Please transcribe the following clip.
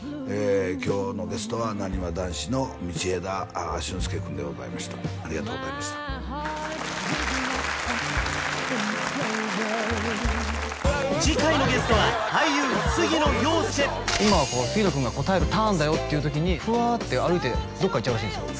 今日のゲストはなにわ男子の道枝駿佑君でございましたありがとうございました次回のゲストは俳優今は杉野君が答えるターンだよっていう時にフワーッて歩いてどっか行っちゃうらしいんですよ